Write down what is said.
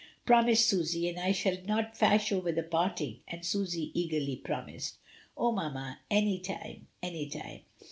Promise, Susy, and I shall not fash over the parting," and Susy eagerly promised. "Oh, mamma, any time, any time."